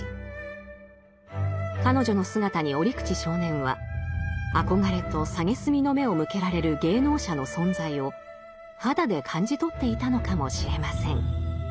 彼女の姿に折口少年は憧れと蔑みの目を向けられる芸能者の存在を肌で感じ取っていたのかもしれません。